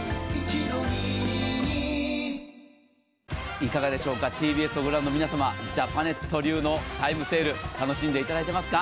いかがでしょうか、ＴＢＳを御覧の皆様、ジャパネット流のタイムセール、楽しんでいただいていますか？